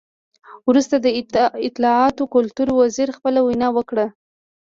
وروسته د اطلاعاتو او کلتور وزیر خپله وینا وکړه.